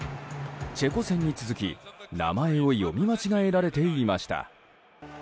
チェコ戦に続き、名前を読み間違えられていました。